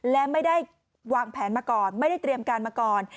และไม่ได้วางแผนมาก่อนไม่ได้เตรียมการมาก่อน